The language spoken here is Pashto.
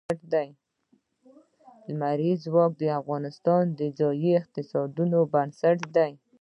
لمریز ځواک د افغانستان د ځایي اقتصادونو بنسټ دی.